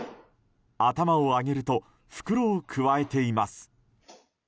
頭を上げると袋をくわえています。